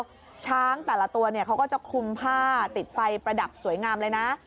แล้วช้างแต่ละตัวเนี่ยเขาก็จะคุมผ้าติดไฟประดับสวยงามเลยนะ